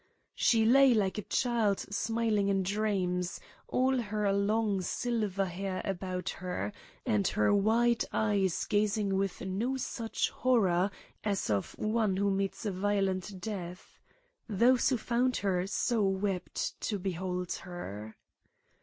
She lay like a child smiling in dreams, all her long silver hair about her, and her wide eyes gazing with no such horror, as of one who meets a violent death. Those who found her so wept to behold her.